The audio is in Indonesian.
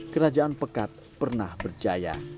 kerajaan pekat pernah berjaya